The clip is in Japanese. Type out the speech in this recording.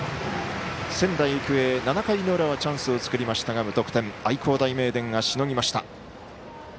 仙台育英、７回の裏はチャンスを作りましたが愛工大名電がしのぎました。